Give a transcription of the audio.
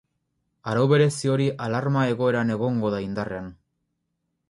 Arau berezi hori alarma-egoeran egongo da indarrean.